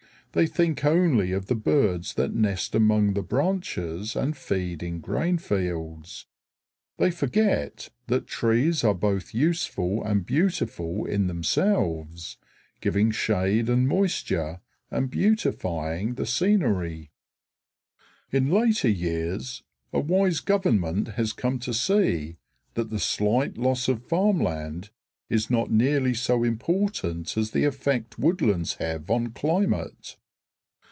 They think only of the birds that nest among the branches and feed in grain fields; they forget that trees are both useful and beautiful in themselves, giving shade and moisture and beautifying the scenery. In later years a wise government has come to see that the slight loss of farmland is not nearly so important as the effect woodlands have on climate.